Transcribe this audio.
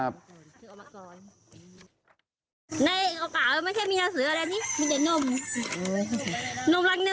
ถึงออกมาก่อน